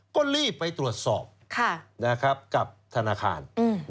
ก็รีบไปตรวจสอบกับธนาคาร